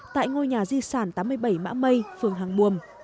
tại ngôi nhà di sản tám mươi bảy mã mây vườn hàng bùa